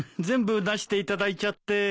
全部出していただいちゃって。